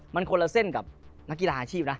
มันคนละเส้นกับนักกีฬาอาชีพนะ